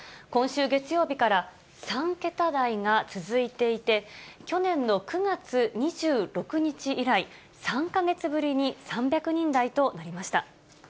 今週月曜日から３桁台が続いていて、去年の９月２６日以来、３か月ぶりに３００人台となりました。